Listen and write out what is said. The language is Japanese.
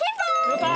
やった！